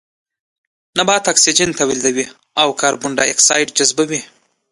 نباتات اکسيجن توليدوي او کاربن ډای اکسايد جذبوي